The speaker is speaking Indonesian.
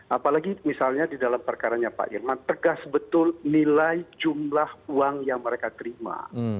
apalagi misalnya di dalam perkaranya pak irman tegas betul nilai jumlah uang yang mereka terima